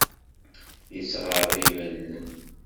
Yettɣerrib allen.